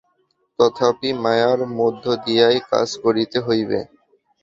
তথাপি মায়ার মধ্য দিয়াই কাজ করিতে হইবে।